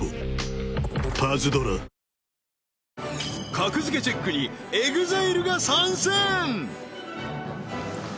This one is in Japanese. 『格付けチェック』に ＥＸＩＬＥ が参戦